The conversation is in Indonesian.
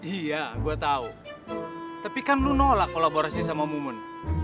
iya gue tau tapi kan lo nolak kolaborasi sama mumun